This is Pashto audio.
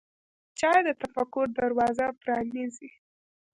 چای د تفکر دروازه پرانیزي.